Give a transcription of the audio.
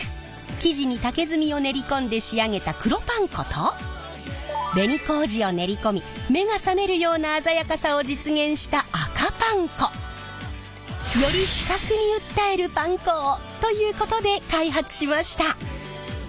生地に竹炭を練り込んで仕上げた黒パン粉と紅麹を練り込み目が覚めるような鮮やかさを実現した赤パン粉！ということで開発しました。